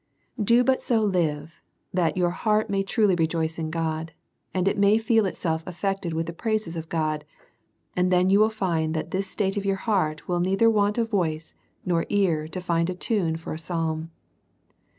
Do but so live, that your heart may truly rejoice in God, that it may feel itself aft'ected with the praises of God, and then you Avill find that this state of your heart will neither want a voice nor ear to find a tune for a psalm.